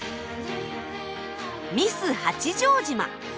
ミス八丈島。